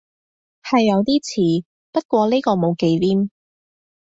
係有啲似，不過呢個冇忌廉